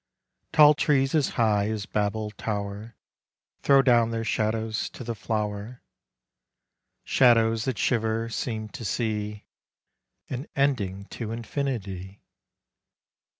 Tall trees as high as Babel tower Throw down their shadows to the flower — Shadows that shiver— seem to see An ending to infinity.